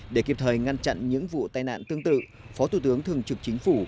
để kịp thời ngăn chặn những vụ tai nạn tương tự phó thủ tướng thường trực chính phủ